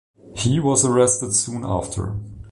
He was arrested soon after.